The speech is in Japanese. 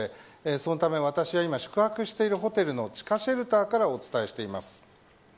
そのため、私は今、宿泊しているホテルの地下シェルターからお伝えしています。